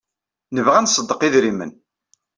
Nebɣa ad nṣeddeq idrimen.